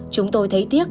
chúng tôi thấy tiếc